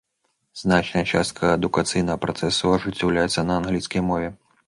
Значная частка адукацыйнага працэсу ажыццяўляецца на англійскай мове.